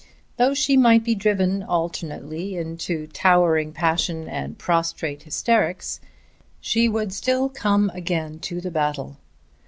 Though she might be driven alternately into towering passion and prostrate hysterics, she would still come again to the battle.